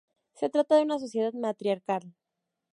Se trata de una sociedad matriarcal.